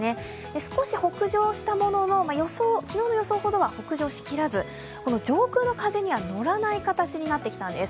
少し北上したものの、昨日の予想ほどは北上しきらず、上空の風には乗らない風になってきたんです。